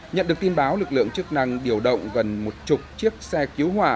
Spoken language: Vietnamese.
nhận được tin báo lực lượng chức năng điều động gần một chục chiếc xe cứu hỏa